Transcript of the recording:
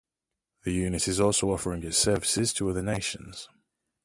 The unit is also offering its services to other nations.